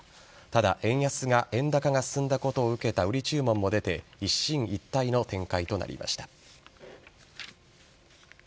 ただ円高が進んだことを受けた売り注文も出て一進一退の展開となりました。